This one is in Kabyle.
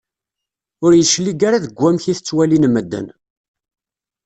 Ur yeclig ara deg wamek i tettwalin medden.